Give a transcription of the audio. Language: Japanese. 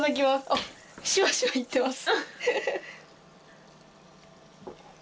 あっシュワシュワいってます。